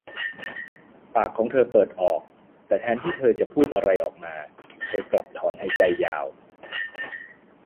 ปากของเธอเปิดออก แต่แทนที่เธอจะพูดอะไรออกมา เธอกลับถอนหายใจยาว